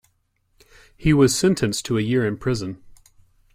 He was sentenced to a year in prison.